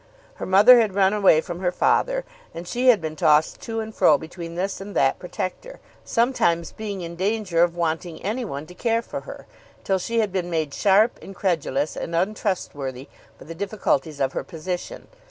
Her mother had run away from her father, and she had been tossed to and fro between this and that protector, sometimes being in danger of wanting any one to care for her, till she had been made sharp, incredulous, and untrustworthy by the difficulties of her position.